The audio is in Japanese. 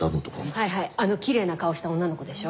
はいはいあのきれいな顔した女の子でしょ？